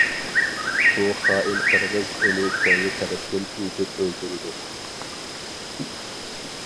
بۇ خائىن قىرغىز ئۇنى كەينى تەرەپتىن ئېتىپ ئۆلتۈرىدۇ.